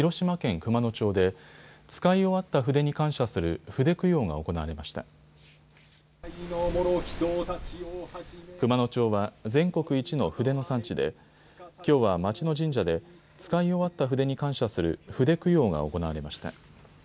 熊野町は全国一の筆の産地できょうは町の神社で使い終わった筆に感謝する筆供養が行われました。